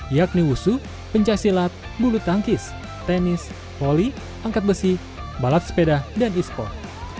yakni wusu pencaksilat bulu tangkis tenis poli angkat besi balap sepeda dan e sport